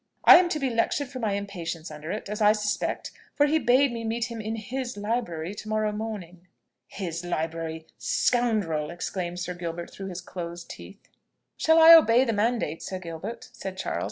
"I am to be lectured for my impatience under it, as I suspect; for he bade me meet him in his library to morrow morning." "His library! Scoundrel!" exclaimed Sir Gilbert through his closed teeth. "Shall I obey the mandate, Sir Gilbert?" said Charles.